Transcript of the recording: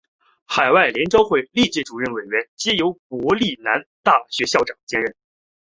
海外联招会历届主任委员皆由国立暨南国际大学校长兼任。